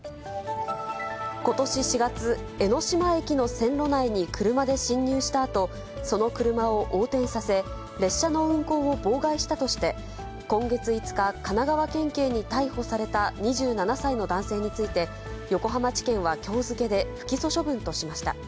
ことし４月、江ノ島駅の線路内に車で進入したあと、その車を横転させ、列車の運行を妨害したとして、今月５日、神奈川県警に逮捕された２７歳の男性について、横浜地検はきょう付けで不起訴処分としました。